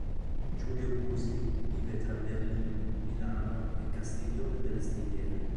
Giulio Busi vive tra Berlino, Milano e Castiglione delle Stiviere.